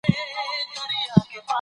فتح خان او رابعه خورا مشهور نومونه دي.